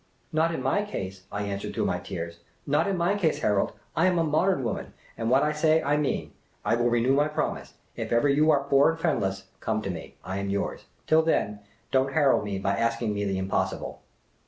" Not in my case," I answered through my tears. " Not in my case, Harold ! I am a modern womaij, and what I say I mean. I will renew my promise. If ever you are poor and friendless, come to me ; I am yours. Till then, don't harrow me by asking me the impossible